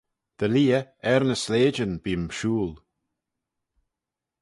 Dy leah er ny sleityn bee'm shooyl.